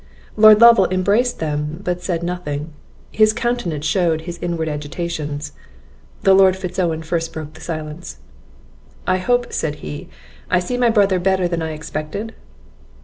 Lord Lovel embraced them, but said nothing; his countenance shewed his inward agitations. "Lord Fitz Owen first broke silence. "I hope," said he, "I see my brother better than I expected?"